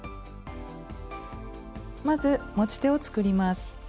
まず持ち手を作ります。